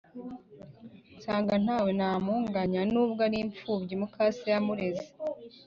nsanga nta we namunganya. Nubwo ari imfubyi, mukase yamureze